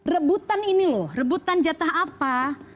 rebutan ini loh rebutan jatah apa